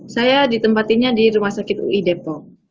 saya ditempatinya di rumah sakit ui depok